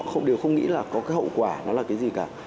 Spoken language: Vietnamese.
họ đều không nghĩ là có cái hậu quả nó là cái gì cả